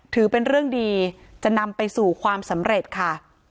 ถือเป็นเรื่องดีจะนำไปสู่ความสำเร็จค่ะ